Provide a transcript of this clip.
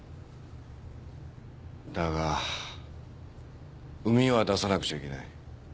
だが膿は出さなくちゃいけない。